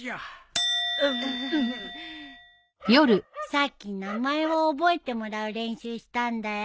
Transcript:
さっき名前を覚えてもらう練習したんだよ。